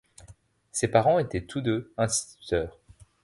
Ses parents étaient tous deux instituteurs.